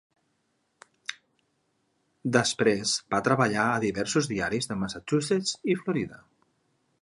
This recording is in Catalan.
Després va treballar a diversos diaris de Massachusetts i Florida.